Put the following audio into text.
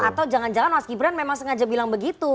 atau jangan jangan mas gibran memang sengaja bilang begitu